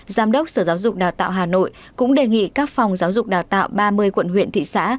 giám đốc sở giáo dục đào tạo hà nội cũng đề nghị các phòng giáo dục đào tạo ba mươi quận huyện thị xã